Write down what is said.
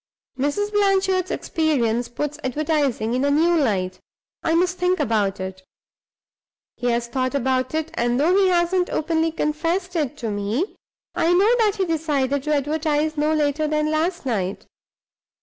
Mrs. Blanchard's experience puts advertising in a new light; I must think about it.' He has thought about it, and (though he hasn't openly confessed it to me) I know that he decided to advertise, no later than last night.